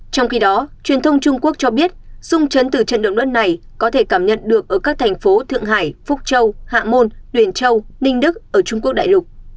trong khi đó truyền thông trung quốc cho biết sung chấn từ trận động đất này có thể cảm nhận được ở các thành phố thượng hải phúc châu hạ môn tuyển châu ninh đức ở trung quốc đại lục